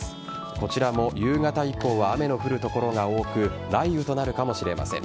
こちらも夕方以降は雨の降る所が多く雷雨となるかもしれません。